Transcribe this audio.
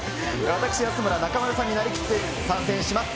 私、安村、中丸さんになりきって、参戦します。